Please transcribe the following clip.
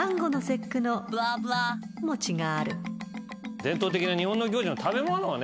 伝統的な日本の行事の食べ物をね